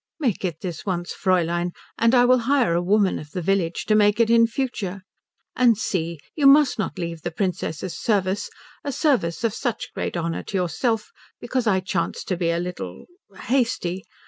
"Make it this once, Fräulein, and I will hire a woman of the village to make it in future. And see, you must not leave the Princess's service, a service of such great honour to yourself, because I chanced to be perhaps a little hasty.